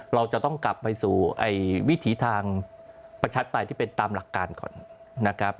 เราจะต้องกลับไปสู่วิถีทางประชาธิปไตยที่เป็นตามหลักการก่อนนะครับ